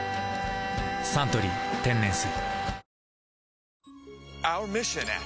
「サントリー天然水」